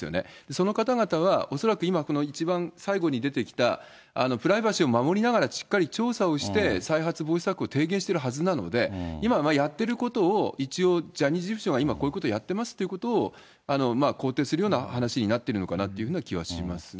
その方々は恐らく今、この一番最後に出てきたプライバシーを守りながらしっかり調査をして、再発防止策を提言しているはずなので、今、やっていることを一応ジャニーズ事務所が今、こういうことをやってますということを、肯定するような話になっているのかなという気はしますね。